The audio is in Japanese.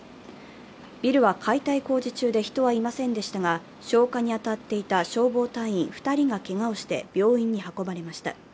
ビルは解体工事中で人はいませんでしたが消火に当たっていた消防隊員２人がけがをして病院に運ばれました。